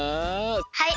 はい。